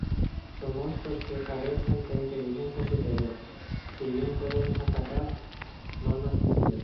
Son monstruos que carecen de inteligencia superior, si bien pueden acatar normas sencillas.